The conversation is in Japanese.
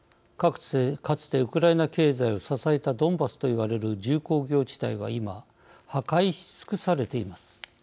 かつて、ウクライナ経済を支えたドンバスといわれる重工業地帯は今、破壊しつくされています。